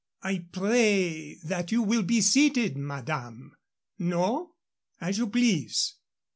"I pray that you will be seated, madame. No? As you please.